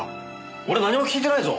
俺何も聞いてないぞ。